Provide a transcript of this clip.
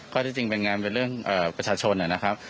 ที่จริงเป็นงานเป็นเรื่องประชาชนนะครับ